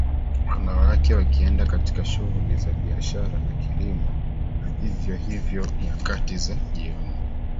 wanawake wakienda katika shuguli za biashara na kilimo na vivyo hivyo nyakati za jioni